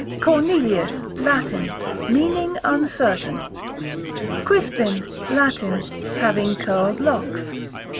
Cornelius, Latin, meaning uncertain. Crispin, Latin, having curled locks.